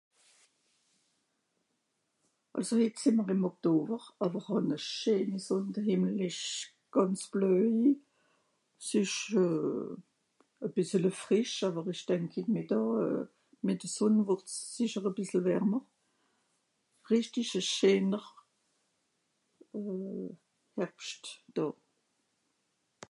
Àlso hitt sìì m'r ìm Oktower, àwer hàn e scheene Sunn de Hìmmel ìsch gànz blöj. S'ìsch e bissele frìsch àwer ìch denk Midàà, mìt d'Sunn wurd's sìcher er bissel wärme. Rìschtisch e scheener Herbschtdàà.